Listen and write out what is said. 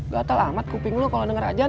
gatel amat kuping lo kalo denger ajan